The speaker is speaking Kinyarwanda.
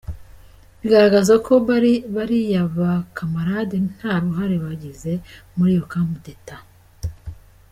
Bigaragaza ko baliya ba camarade nta ruhali bagize muli iyo coup d’état.